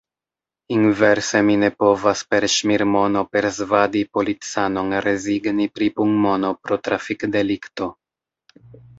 Inverse mi ne povas per ŝmirmono persvadi policanon rezigni pri punmono pro trafikdelikto.